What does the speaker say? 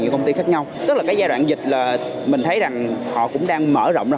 công ty khác nhau tức là cái giai đoạn dịch là mình thấy rằng họ cũng đang mở rộng ra